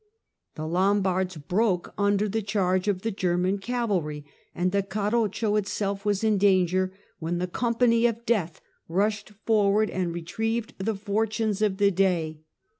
The Lombards broke under the charge of the German cavalry, and the carroccio itself was in danger, when the " Company of Death " rushed forward and retrieved the fortunes of the day.